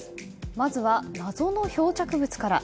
まずは謎の漂着物から。